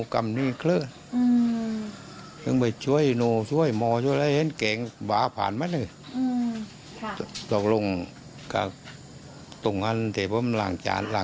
พวกเราทำไมก็ล่วงคุณพระมา